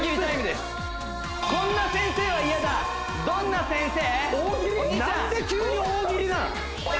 こんな先生は嫌だどんな先生？